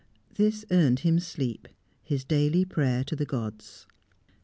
This earned him sleep his daily prayer to the gods.